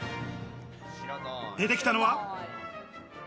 出てきたのは。